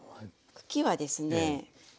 茎はですね